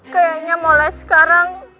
kayaknya mulai sekarang